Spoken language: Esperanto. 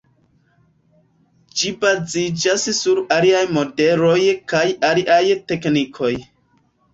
Ĝi baziĝas sur aliaj modeloj kaj aliaj teknikoj.